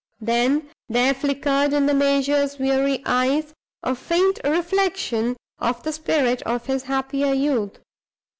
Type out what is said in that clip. Then there flickered in the major's weary eyes a faint reflection of the spirit of his happier youth.